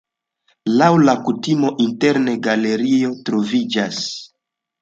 Laŭ la kutimo interne galerio troviĝas.